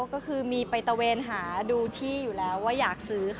ก็คือมีไปตะเวนหาดูที่อยู่แล้วว่าอยากซื้อค่ะ